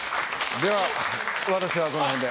では私はこのへんで。